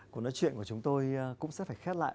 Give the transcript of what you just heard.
cuộc nói chuyện của chúng tôi cũng sẽ phải khép lại